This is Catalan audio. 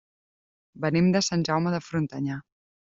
Venim de Sant Jaume de Frontanyà.